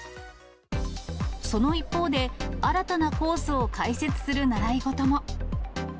その一方で、新たなコースを開設する習い事も。